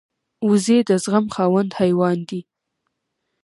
وزې د زغم خاوند حیوان دی